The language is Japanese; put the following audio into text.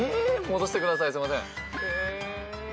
戻してくださいすいません。